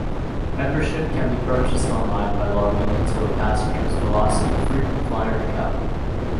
Membership can be purchased online by logging into a passenger's velocity frequent flyer account.